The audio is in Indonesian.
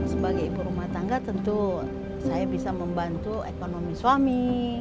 sebagai ibu rumah tangga tentu saya bisa membantu ekonomi suami